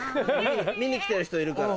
見にきてる人いるから。